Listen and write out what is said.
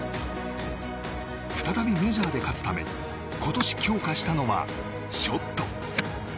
再びメジャーで勝つため今年強化したのはショット。